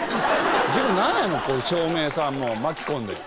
自分なんやの照明さんも巻き込んで。